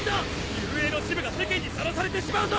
雄英の恥部が世間にさらされてしまうぞ！